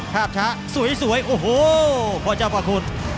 ภาพช้าสวยโอ้โหพ่อเจ้าพระคุณ